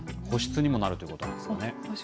保湿にもなるということなんですかね。